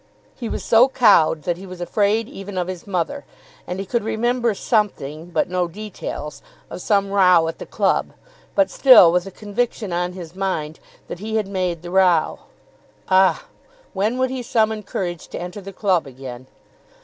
He was so cowed that he was afraid even of his mother. And he could remember something, but no details, of some row at the club, but still with a conviction on his mind that he had made the row. Ah, when would he summon courage to enter the club again?